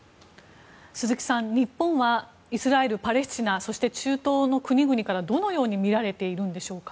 鈴木さん、日本はイスラエル、パレスチナそして、中東の国々からどのように見られているのでしょうか？